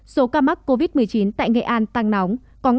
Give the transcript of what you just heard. số ca mắc covid một mươi chín tại nghệ an tăng nóng